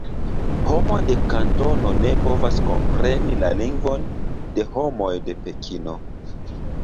Homo de Kantono ne povas kompreni la lingvon de homoj de Pekino.